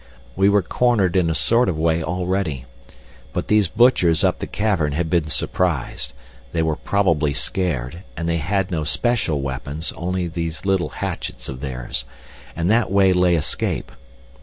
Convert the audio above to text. We were cornered in a sort of way already. But these butchers up the cavern had been surprised, they were probably scared, and they had no special weapons, only those little hatchets of theirs. And that way lay escape.